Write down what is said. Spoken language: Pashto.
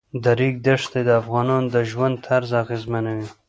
د ریګ دښتې د افغانانو د ژوند طرز اغېزمنوي.